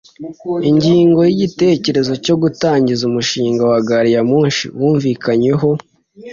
ingingo y’igitekerezo cyo gutangiza umushinga wa gariyamoshi wumvikanyeho